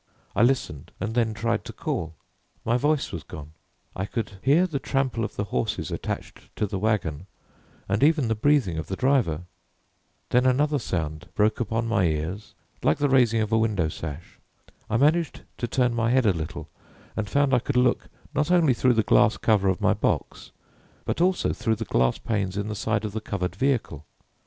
I listened and then tried to call. My voice was gone. I could hear the trample of the horses attached to the wagon, and even the breathing of the driver. Then another sound broke upon my ears like the raising of a window sash. I managed to turn my head a little, and found I could look, not only through the glass cover of my box, but also through the glass panes in the side of the covered vehicle.